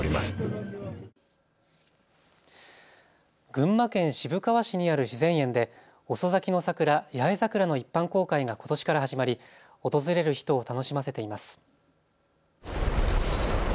群馬県渋川市にある自然園で遅咲きの桜、八重桜の一般公開がことしから始まり訪れる人を楽しませています。